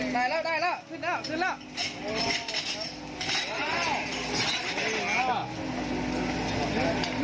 ได้แล้วได้แล้วขึ้นแล้วขึ้นแล้ว